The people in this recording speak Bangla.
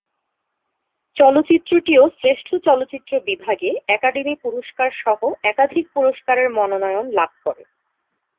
চলচ্চিত্রটিও শ্রেষ্ঠ চলচ্চিত্র বিভাগে একাডেমি পুরস্কারসহ একাধিক পুরস্কারের মনোনয়ন লাভ করে।